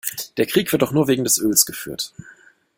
Der Krieg wird doch nur wegen des Öls geführt.